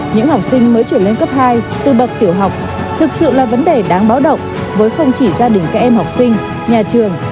những học sinh mới chuyển lên cấp hai từ bậc tiểu học thực sự là vấn đề đáng báo động với không chỉ gia đình các em học sinh nhà trường